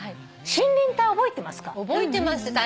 森林隊覚えてますか？